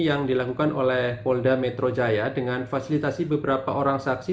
yang dilakukan oleh polda metro jaya dengan fasilitasi beberapa orang saksi